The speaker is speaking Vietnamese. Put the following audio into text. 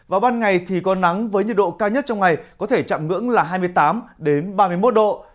vào ban ngày thì có nắng với nhiệt độ cao nhất trong ngày có thể chạm ngưỡng là hai mươi tám ba mươi một độ